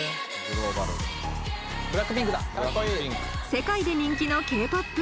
世界で人気のＫーＰＯＰ。